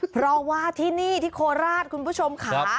เพราะว่าที่นี่ที่โคราชคุณผู้ชมค่ะ